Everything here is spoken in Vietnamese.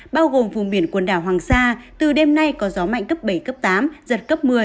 bao gồm vùng biển quần đảo hoàng sa từ đêm nay có gió mạnh cấp bảy cấp tám giật cấp một mươi